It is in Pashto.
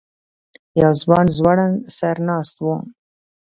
یو ځوان ځوړند سر ناست و.